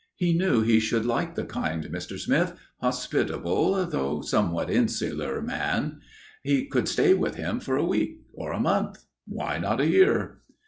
He knew he should like the kind Mr. Smith, hospitable though somewhat insular man. He could stay with him for a week or a month why not a year?